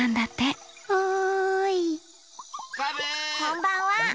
こんばんは。